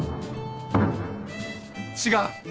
違う。